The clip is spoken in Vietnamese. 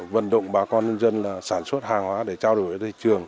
vận động bà con dân sản xuất hàng hóa để trao đổi với thị trường